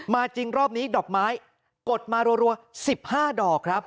จริงรอบนี้ดอกไม้กดมารัว๑๕ดอกครับ